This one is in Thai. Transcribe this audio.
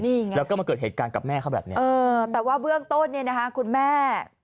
นี่ไงแล้วก็มาเกิดเหตุการณ์กับแม่เขาแบบเนี้ยเออแต่ว่าเบื้องต้นเนี่ยนะคะคุณแม่